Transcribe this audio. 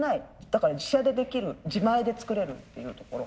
だから自社でできる自前で作れるっていうところ。